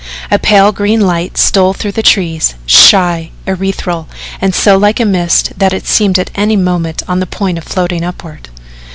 A pale green light stole through the trees, shy, ethereal and so like a mist that it seemed at any moment on the point of floating upward.